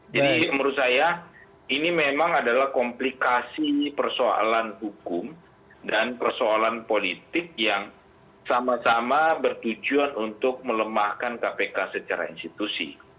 jadi menurut saya ini memang adalah komplikasi persoalan hukum dan persoalan politik yang sama sama bertujuan untuk melemahkan kepentingan ekonomi dan kepentingan ekonomi